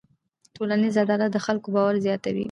ټولنیز عدالت د خلکو باور زیاتوي.